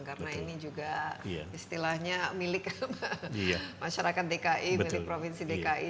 karena ini juga istilahnya milik masyarakat dki milik provinsi dki